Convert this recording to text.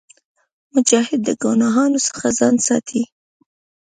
مجاهد د ګناهونو څخه ځان ساتي.